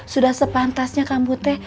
sudah sepantasnya kamu teh